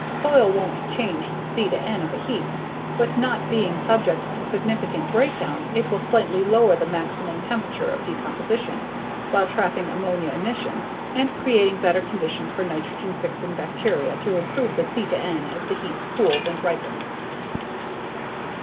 Soil won't change the C/N of a heap but not being subject to significant breakdown it will slightly lower the maximum temperature of decomposition; while trapping ammonia emissions; and creating better conditions for nitrogen fixing bacteria to improve the C/N as the heap cools and ripens.